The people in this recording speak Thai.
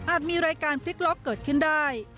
มีรายการพลิกล็อกเกิดขึ้นได้